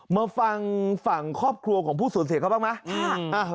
มาฟังฝั่งครอบครัวของผู้สูญเสียเขาบ้างไหม